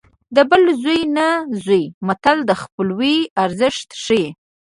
د بل زوی نه زوی متل د خپلوۍ ارزښت ښيي